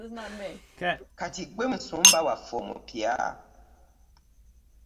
Kati ggwe musumba waffe omupya?